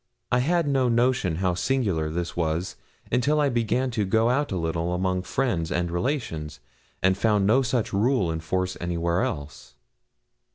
I had no notion how singular this was until I began to go out a little among friends and relations, and found no such rule in force anywhere else.